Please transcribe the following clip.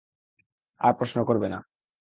আর প্রশ্ন করবে না।